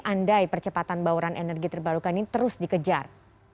andai percepatan bauran energi terbarukan ini terus dikejar